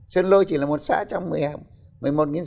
sơn lôi chỉ là một xã trong một mươi một xã vườn